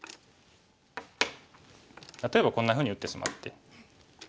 例えばこんなふうに打ってしまって。